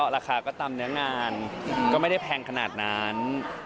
ราคาก็ตามเนื้องานก็ไม่ได้แพงขนาดนั้น